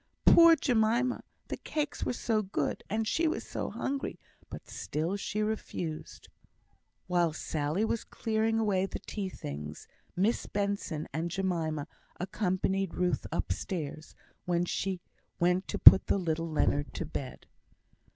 Poor Jemima! the cakes were so good, and she was so hungry; but still she refused. While Sally was clearing away the tea things, Miss Benson and Jemima accompanied Ruth upstairs, when she went to put little Leonard to bed.